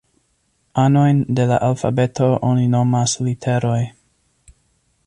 Anojn de la alfabeto oni nomas literoj.